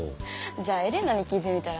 じゃあエレナに聞いてみたら？